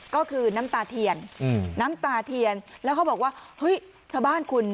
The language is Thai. ก็คือน้ำตาเทียนน้ำตาเทียนแล้วเขาบอกว่าเฮ้ยชาวบ้านคุณ